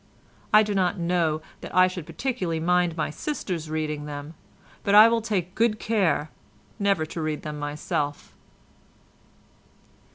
I do not know that I should particularly mind my sisters reading them, but I will take good care never to read them myself."